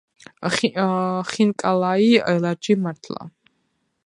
ხინკალაი ელარჯი მართლა